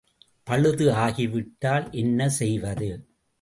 பழுது ஆகிவிட்டால் என்ன செய்வது?